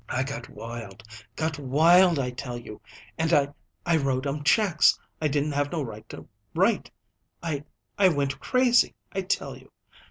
I got wild got wild, I tell you; and I I wrote 'em checks I didn't have no right to write. I I went crazy, I tell you.